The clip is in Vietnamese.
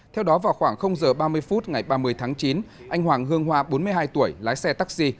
theo đó vào khoảng h ba mươi phút ngày ba mươi tháng chín anh hoàng hương hoa bốn mươi hai tuổi lái xe taxi